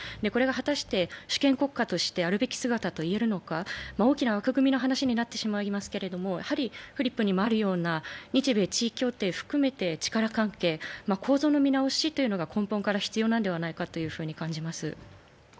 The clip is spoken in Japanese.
これが果たして主権国家としてあるべき姿といえるのか大きな枠組みの話になってしまいますけど、フリップにもあるような日米地位協定含めて力関係、構造の見直しが根本から必要なのではないかと感じます。